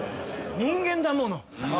人間だもの。